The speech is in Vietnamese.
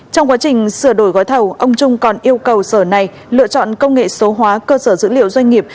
trong quá trình sửa đổi gói thầu ông trung còn yêu cầu sở này lựa chọn công nghệ số hóa cơ sở dữ liệu doanh nghiệp